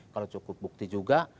kalau cukup bukti juga